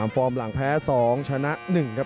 ฟอร์มหลังแพ้๒ชนะ๑ครับ